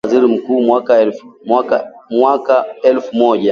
moja miatisa na hamsini na nane na kuchaguliwa kuwa waziri mkuu mwaka Elfu moja